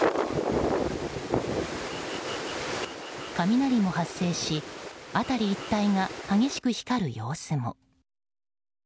雷も発生し辺り一帯が激しく光る様子も。